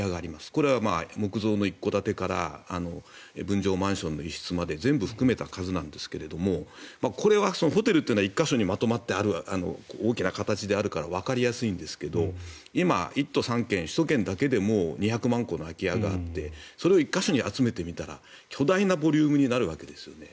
これは木造の一戸建てから分譲マンションの一室まで全部含めた数なんですけどもこれは、ホテルというのは１か所にまとまって大きな形であるからわかりやすいんですが今、１都３県首都圏だけでも２００万戸の空き家があってそれを１か所に集めてみたら巨大なボリュームになるわけですよね。